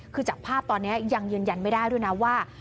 คือจากภาพตอนนี้ยังยืนยันไม่ได้ด้วยนะว่า